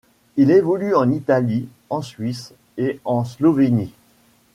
Il évolue en Italie, en Suisse, et en Slovénie.